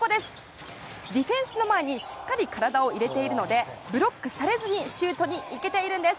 ディフェンスの前にしっかり体を入れているのでブロックされずにシュートにいけているんです。